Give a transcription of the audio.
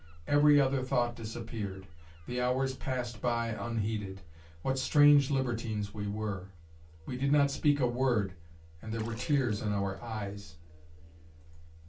Every other thought disappeared. The hours passed by unheeded. What strange libertines we were! We did not speak a word and there were tears in our eyes.